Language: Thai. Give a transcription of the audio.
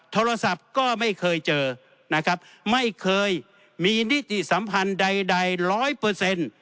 โทรศัพท์ก็ไม่เคยเจอนะครับไม่เคยมีนิติสัมพันธ์ใดใดร้อยเปอร์เซ็นต์